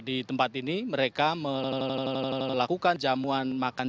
di tempat ini mereka melakukan jamuan makan